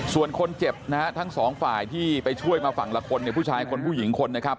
ส่วนคนเจ็บนะฮะทั้งสองฝ่ายที่ไปช่วยมาฝั่งละคนเนี่ยผู้ชายคนผู้หญิงคนนะครับ